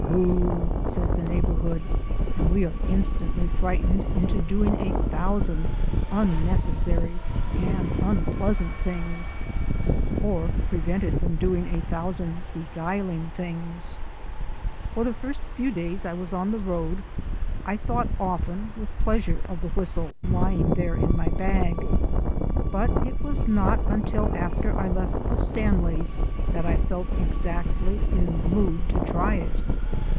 "Boo!" says the neighbourhood, and we are instantly frightened into doing a thousand unnecessary and unpleasant things, or prevented from doing a thousand beguiling things. For the first few days I was on the road I thought often with pleasure of the whistle lying there in my bag, but it was not until after I left the Stanleys' that I felt exactly in the mood to try it.